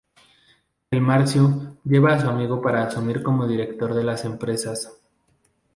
Y Márcio lleva a su amigo para asumir como director de las empresas.